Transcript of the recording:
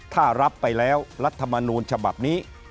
ถ้ารับไปแล้วรัฐมนูลฉบับนี้